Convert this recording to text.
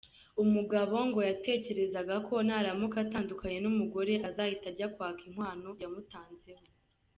Umugabo ngo yatekerezaga ko naramuka atandukanye n’umugore azahita ajya kwaka inkwano yamutanzeho.